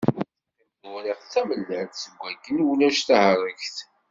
Teqqim tewriqt d tamellalt, seg akken ulac tahregt.